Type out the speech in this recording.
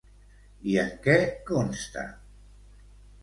I en què consta?